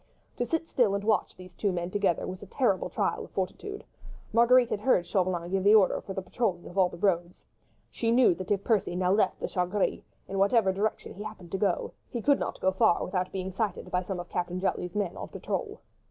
To sit still and watch these two men together was a terrible trial of fortitude. Marguerite had heard Chauvelin give the orders for the patrolling of all the roads. She knew that if Percy now left the "Chat Gris"—in whichever direction he happened to go—he could not go far without being sighted by some of Captain Jutley's men on patrol.